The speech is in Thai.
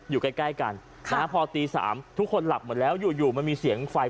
อยู่ใกล้กันพอตี๓ทุกคนหลับหมดแล้วอยู่มันมีเสียงไฟ